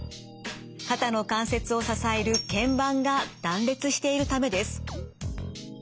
肩の関節を支える腱板が断裂しているためです。